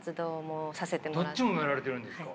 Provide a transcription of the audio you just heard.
どっちもやられてるんですか。